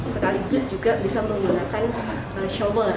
sekaligus juga bisa menggunakan shower